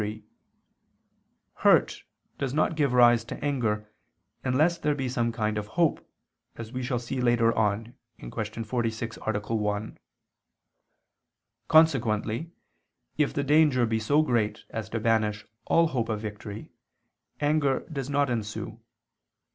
3: Hurt does not give rise to anger unless there be some kind of hope, as we shall see later on (Q. 46, A. 1). Consequently if the danger be so great as to banish all hope of victory, anger does not ensue.